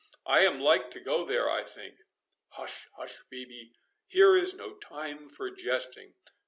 —I am like to go there, I think." "Hush, hush! Phœbe— here is no time for jesting.